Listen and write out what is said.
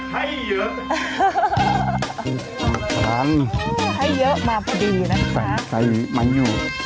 ให้เยอะมันให้เยอะมาพอดีนะคะใส่ใส่มันอยู่